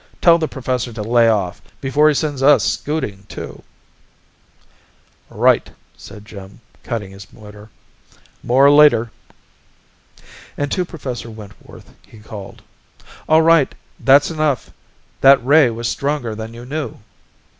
Tell the professor to lay off, before he sends us scooting too." "Right!" said Jim, cutting his motor. "More later!" And to Professor Wentworth he called: "All right, that's enough! That ray was stronger than you knew!"